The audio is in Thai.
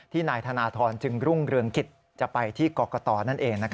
นายธนทรจึงรุ่งเรืองกิจจะไปที่กรกตนั่นเอง